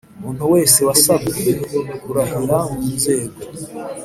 Umuntu wese wasabwe kurahira mu nzego